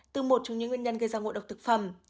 từ một trong những nguyên nhân gây ra ngộ độc thực phẩm